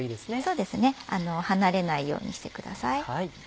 そうですね離れないようにしてください。